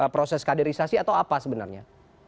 proses kaderisasi atau apa sebenarnya